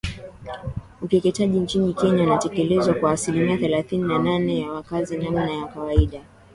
Ukeketaji nchini Kenya unatekelezwa kwa asilimia thelathini na nane ya wakazi Namna ya kawaida